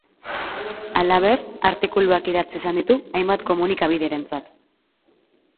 Halaber, artikuluak idatzi izan ditu hainbat komunikabiderentzat.